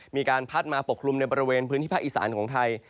มีการพัดมาปกคลุมในบริเวณพื้นที่ภาคอีสานของไทย